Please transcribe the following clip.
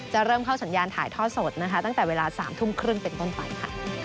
เริ่มเข้าสัญญาณถ่ายทอดสดนะคะตั้งแต่เวลา๓ทุ่มครึ่งเป็นต้นไปค่ะ